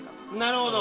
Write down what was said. なるほど。